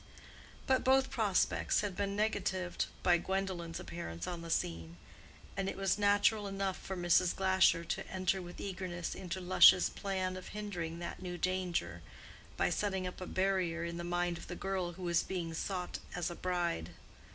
But both prospects had been negatived by Gwendolen's appearance on the scene; and it was natural enough for Mrs. Glasher to enter with eagerness into Lush's plan of hindering that new danger by setting up a barrier in the mind of the girl who was being sought as a bride.